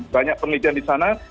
banyak penelitian di sana